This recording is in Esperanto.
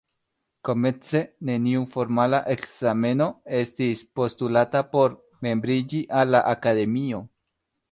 Komence neniu formala ekzameno estis postulata por membriĝi al la Akademio.